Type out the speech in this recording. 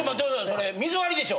それ水割りでしょ。